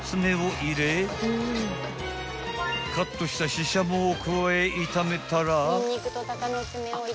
［カットしたししゃもを加え炒めたら］